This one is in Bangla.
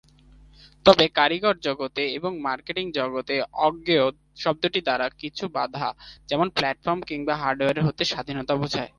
তবে কারিগরি জগৎ এবং মার্কেটিং জগতে "অজ্ঞেয়" শব্দটি দ্বারা কিছু বাঁধা; যেমনঃ প্ল্যাটফর্ম কিংবা হার্ডওয়্যার হতে স্বাধীনতা বুঝায়।